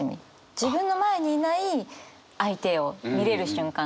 自分の前にいない相手を見れる瞬間じゃないですか。